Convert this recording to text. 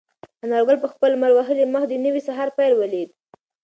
انارګل په خپل لمر وهلي مخ د نوي سهار پیل ولید.